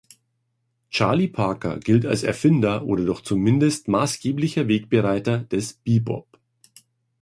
Charlie Parker gilt als Erfinder, oder doch zumindest maßgeblicher Wegbereiter des Bebop.